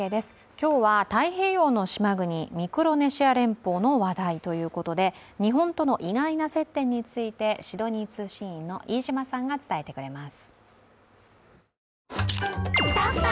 今日は太平洋の島国・ミクロネシア連邦の話題ということで、日本との意外な接点についてシドニー通信員の飯島さんが伝えてくれます。